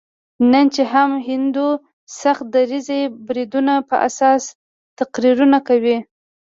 نن چې هم هندو سخت دریځي د بریدونو په اساس تقریرونه کوي.